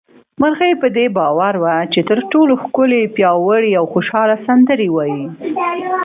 مرغۍ په دې باور وه چې تر ټولو ښکلې، پياوړې او خوشحاله سندرې وايي